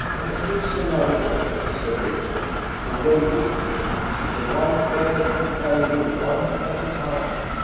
"There is another way," said Richard; "the way we came. The white bear can carry you, one at a time."